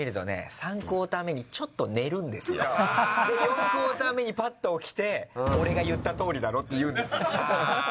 ４クオーター目にぱっと起きて、俺が言ったとおりだろって言うんですよ。